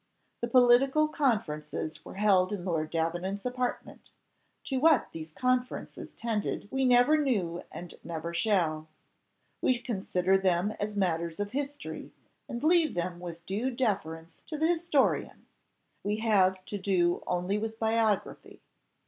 The political conferences were held in Lord Davenant's apartment: to what these conferences tended we never knew and never shall; we consider them as matters of history, and leave them with due deference to the historian; we have to do only with biography.